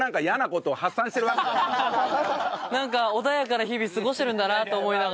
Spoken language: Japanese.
なんか穏やかな日々過ごしてるんだなと思いながら。